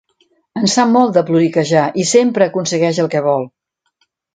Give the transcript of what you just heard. En sap molt, de ploriquejar, i sempre aconsegueix el que vol.